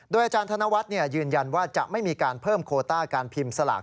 อาจารย์ธนวัฒน์ยืนยันว่าจะไม่มีการเพิ่มโคต้าการพิมพ์สลาก